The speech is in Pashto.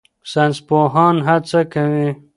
ساینسپوهان هڅه کوي.